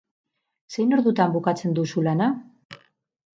Zein ordutan bukatzen duzu lana?